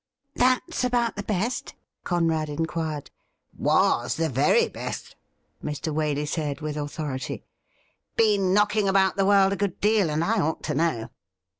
' That's about the best ?^ Conrad inquired. ' Was the very best,' Mr. Waley said, with authority. ' Been knocking about the world a good deal, and I ought to know.'